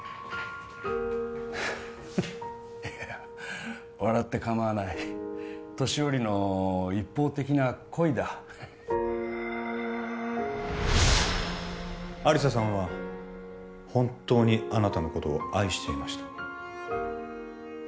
ふっいやあ笑ってかまわない年寄りの一方的な恋だ亜理紗さんは本当にあなたのことを愛していました